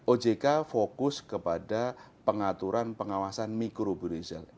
ojk fokus kepada pengaturan pengawasan mikroburizal